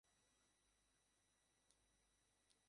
ইমাম সাহেব ফজরের নামাজের প্রস্তুতি নিতে লাগলেন।